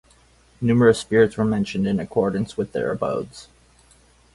Numerous spirits were mentioned in accordance with their abodes.